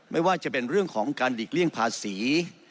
ไม่ว่าจะเป็นเรื่องของการหลีกเลี่ยงภาษี